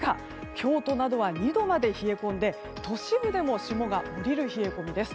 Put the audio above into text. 京都などは２度まで冷え込んで都市部でも霜が降りる冷え込みです。